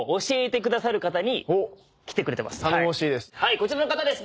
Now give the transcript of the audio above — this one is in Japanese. こちらの方です。